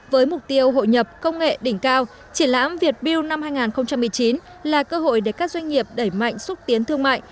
với mục tiêu hội nhập công nghệ đỉnh cao triển lãm việt build năm hai nghìn một mươi chín là cơ hội để các doanh nghiệp đẩy mạnh xúc tiến thương mại